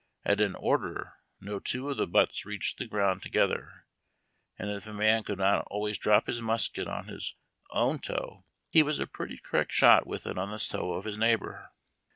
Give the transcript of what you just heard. At an "order," no two of the butts reached the ground together, and if a man could not always drop his musket on his own toe he was a pretty correct shot with it on the toe of his neighbor.